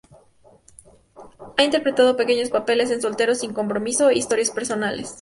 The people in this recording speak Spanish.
Ha interpretado pequeños papeles en "Solteros sin compromiso" e "Historias personales".